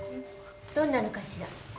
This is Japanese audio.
どんなのかしら。